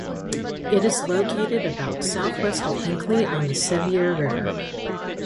It is located about southwest of Hinckley on the Sevier River.